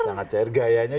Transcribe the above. sangat cair gayanya